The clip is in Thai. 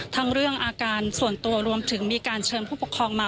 ทั้งเรื่องอาการส่วนตัวรวมถึงมีการเชิญผู้ปกครองมา